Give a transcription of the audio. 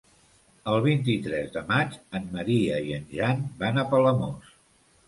El vint-i-tres de maig en Maria i en Jan van a Palamós.